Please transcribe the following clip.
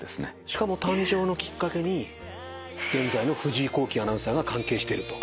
しかも誕生のきっかけに現在の藤井弘輝アナウンサーが関係してると。